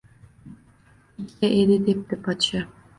Ikkita edi, debdi podsho